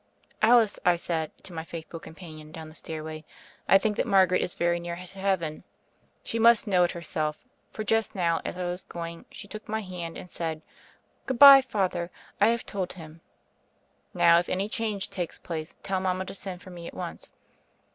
"Alice," I said to my faithful companion down the stairway, "I think that Margaret is very near to Heaven. She must know it her self; for just now, as I was going, she took my hand and said, *Good byc, Father; I have told Him.* Now, if any change takes place, tell mama to send for me at once."